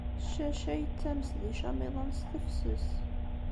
Ccac-a yettames d icamiḍen s tefses.